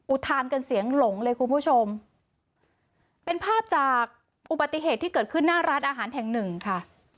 ทานกันเสียงหลงเลยคุณผู้ชมเป็นภาพจากอุบัติเหตุที่เกิดขึ้นหน้าร้านอาหารแห่งหนึ่งค่ะ